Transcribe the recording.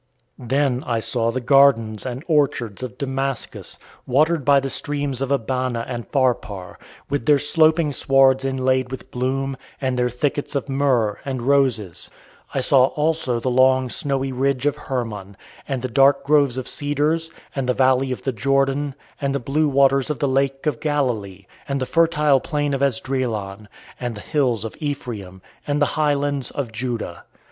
Then I saw the gardens and orchards of Damascus, watered by the streams of Abana and Pharpar, with their sloping swards inlaid with bloom, and their thickets of myrrh and roses. I saw also the long, snowy ridge of Hermon, and the dark groves of cedars, and the valley of the Jordan, and the blue waters of the Lake of Galilee, and the fertile plain of Esdraelon, and the hills of Ephraim, and the highlands of Judah.